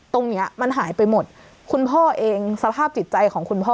ตรงเนี้ยมันหายไปหมดคุณพ่อเองสภาพจิตใจของคุณพ่อ